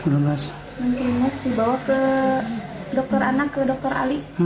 lepas lemas dibawa ke dokter anak ke dokter ali